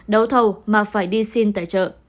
đấu thầu mà phải đi xin tài trợ